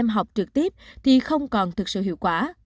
học trực tiếp thì không còn thực sự hiệu quả